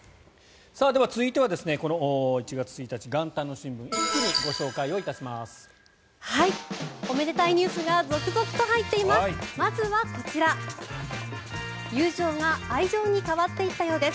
では、続いてはこの１月１日、元旦の新聞を一気にご紹介いたします。